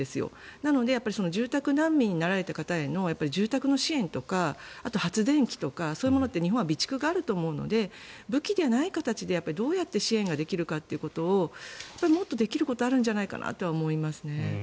だから住宅難民になられた方への住宅支援とか発電機とか日本はそういう備蓄があると思うので武器がでない形でどうやって支援ができるかということをもっとできることあるんじゃないかなと思いますね。